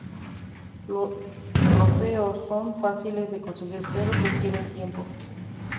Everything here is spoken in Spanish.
Los trofeos son fáciles de conseguir pero requieren tiempo.